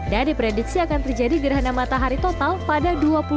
dan diprediksi akan terjadi gerhana matahari total pada